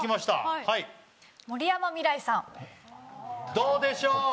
どうでしょう？